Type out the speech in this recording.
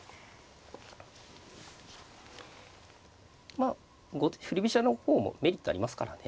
まあ振り飛車の方もメリットありますからね。